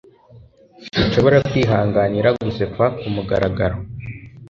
Sinshobora kwihanganira gusekwa kumugaragaro